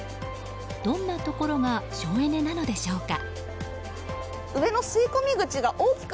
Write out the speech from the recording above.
どんなところが省エネなのでしょうか。